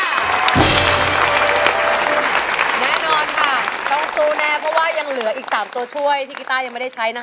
แน่นอนค่ะต้องสู้แน่เพราะว่ายังเหลืออีก๓ตัวช่วยที่กีต้ายังไม่ได้ใช้นะคะ